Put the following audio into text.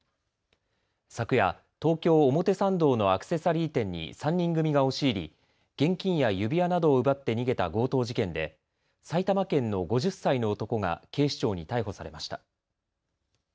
昨夜、東京表参道のアクセサリー店に３人組が押し入り現金や指輪などを奪って逃げた強盗事件で埼玉県の５０歳の男が警視庁に逮捕されました。